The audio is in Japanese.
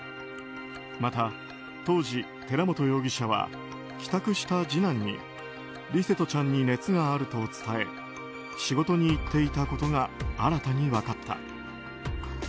また当時、寺本容疑者は帰宅した次男に琉聖翔ちゃんに熱があると伝え仕事に行っていたことが新たに分かった。